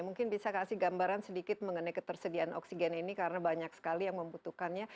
mungkin bisa kasih gambaran sedikit mengenai ketersediaan oksigen ini karena banyak sekali yang membutuhkannya